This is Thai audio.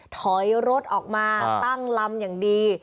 ถอยรถออกมาตั้งลำอย่างดี